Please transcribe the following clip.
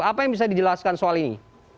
apa yang bisa dijelaskan soal ini